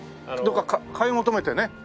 どこか買い求めてね。